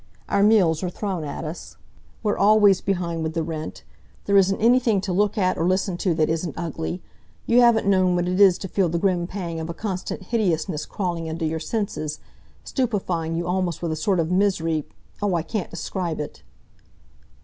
Our meals are thrown at us we're always behind with the rent. There isn't anything to look at or listen to that isn't ugly. You haven't known what it is to feel the grim pang of a constant hideousness crawling into your senses, stupefying you almost with a sort of misery oh, I can't describe it!"